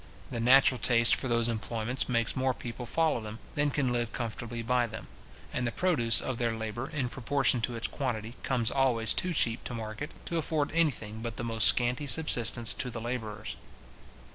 The natural taste for those employments makes more people follow them, than can live comfortably by them; and the produce of their labour, in proportion to its quantity, comes always too cheap to market, to afford any thing but the most scanty subsistence to the labourers.